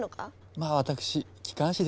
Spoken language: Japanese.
まあ私機関士ですし。